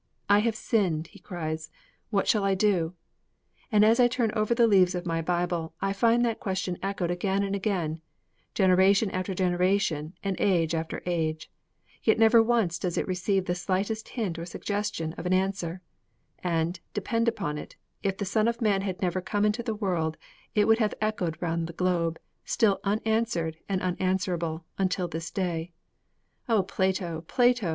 'I have sinned!' he cries; 'what shall I do?' And, as I turn over the leaves of my Bible, I find that question echoed again and again, generation after generation and age after age. Yet never once does it receive the slightest hint or suggestion of an answer. And, depend upon it, if the Son of Man had never come into the world, it would have echoed round the globe still unanswered and unanswerable until this day. 'O Plato, Plato!'